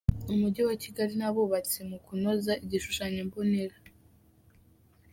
Umujyi wa Kigali n’abubatsi mu kunoza igishushanyombonera